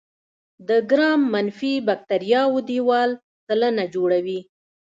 د ګرام منفي باکتریاوو دیوال سلنه جوړوي.